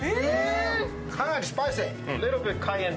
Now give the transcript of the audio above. かなりスパイス。